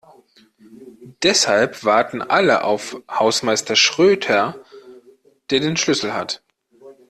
Deshalb warten alle auf Hausmeister Schröter, der den Schlüssel hat.